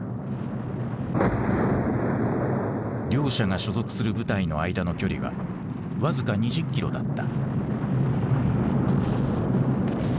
両者が所属する部隊の間の距離は僅か２０キロだった。